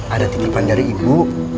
ada titipan dari ibu